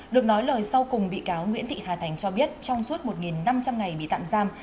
được nói lời sau cùng bị cáo nguyễn thị hà thành cho biết trong suốt một năm trăm linh ngày bị tạm giam